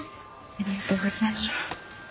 ありがとうございます。